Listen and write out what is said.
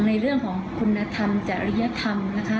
ในเรื่องของคุณธรรมจริยธรรมนะคะ